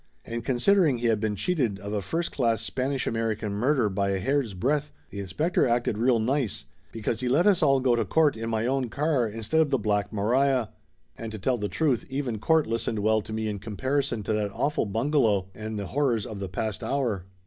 And considering he had been cheated of a first class Spanish American murder by a hair's breadth the inspector acted real nice, because he let us all go to court in my own car in stead of the black Maria. And to tell the truth even court listened well to me in comparison to that awful bungalow and the horrors of the past hour.